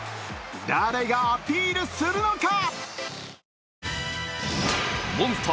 誰がアピールするのか？